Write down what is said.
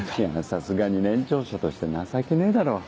さすがに年長者として情けねえだろ。